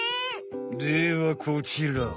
ではこちら。